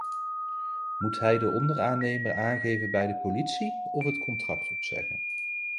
Moet hij de onderaannemer aangeven bij de politie of het contract opzeggen?